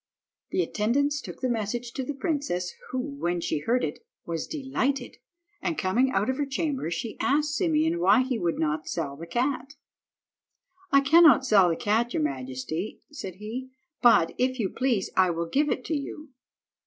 The attendants took the message to the princess, who, when she heard it, was delighted, and coming out of her chamber she asked Simeon why he would not sell the cat. "I cannot sell the cat, your majesty," said he, "but, if you please, I will give it to you."